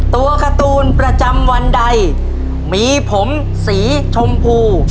ตัวการ์ตูนประจำวันใดมีผมสีชมพู